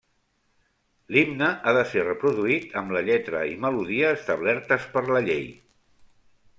L'himne ha de ser reproduït amb la lletra i melodia establertes per la llei.